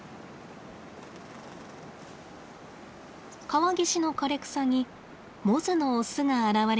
川岸の枯れ草にモズのオスが現れました。